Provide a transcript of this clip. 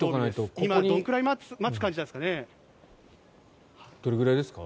今、どのくらい待つ感じなんですかね。